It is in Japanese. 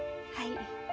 はい。